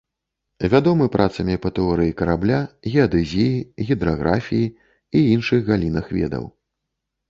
Вядомы працамі па тэорыі карабля, геадэзіі, гідраграфіі і іншых галінах ведаў.